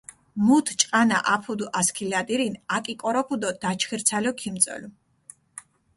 მუთ ჭყანა აფუდჷ ასქილადირინ, აკიკოროფჷ დო დაჩხირცალო ქიმწოლჷ.